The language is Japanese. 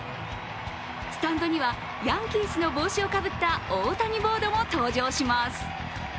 スタンドには、ヤンキースの帽子をかぶった大谷ボードも登場します。